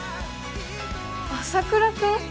朝倉君？